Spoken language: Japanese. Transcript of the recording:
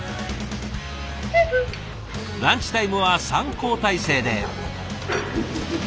ランチタイムは３交代制で。